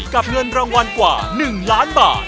เงินรางวัลกว่า๑ล้านบาท